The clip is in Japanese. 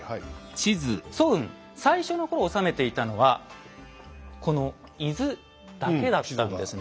早雲最初の頃治めていたのはこの伊豆だけだったんですね。